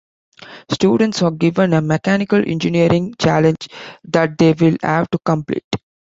Students are given a mechanical engineering challenge that they will have to complete.